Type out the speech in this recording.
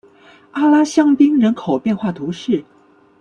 阿拉香槟人口变化图示